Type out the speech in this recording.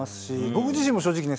僕自身も正直ね、